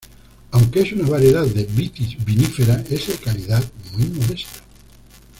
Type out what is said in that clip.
Aunque es una variedad de "Vitis vinifera", es de calidad "muy modesta".